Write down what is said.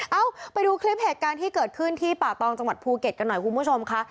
เอ้าไปดูคลิปเหตุการณ์ที่เกิดขึ้นที่ป่าตองจังหวัดภูเก็ตกันหน่อยคุณผู้ชมค่ะ